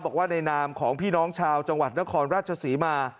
บอกว่าในนามของพี่น้องชาวจังหวัดนครราชศรีมา